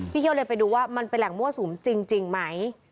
เที่ยวเลยไปดูว่ามันเป็นแหล่งมั่วสุมจริงไหม